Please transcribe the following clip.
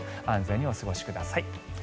安全にお過ごしください。